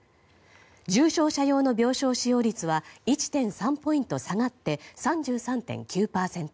重症者用の病床使用率は１．３ポイント下がって３３．９％。